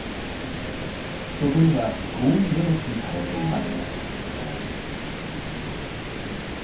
そこにはこう明記されています。